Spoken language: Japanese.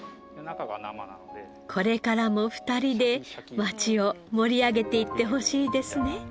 これからも２人で町を盛り上げていってほしいですね。